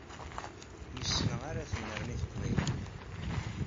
Yes-neɣ ara tennerni teqbaylit.